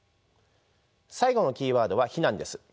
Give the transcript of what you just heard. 最後のキーワードは避難です。